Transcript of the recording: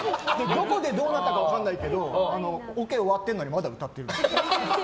どこでどうなったか分かんないけどオケ終わってるのにまだ歌ってるとか。